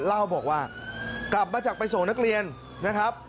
เล่าบอกว่ากลับมาจากไปส่งนักเรียนนะครับ